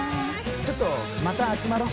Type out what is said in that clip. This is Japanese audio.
ちょっとまた集まろう。